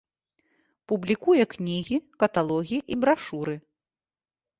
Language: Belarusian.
Публікуе кнігі, каталогі і брашуры.